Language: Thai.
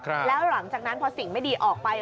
แล้วหลังจากนั้นพอสิ่งไม่ดีออกไป